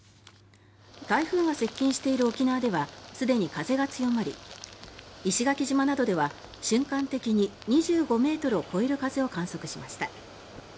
台風が接近している沖縄ではすでに風が強まり石垣島などでは瞬間的に２５ｍを超える風を観測しました。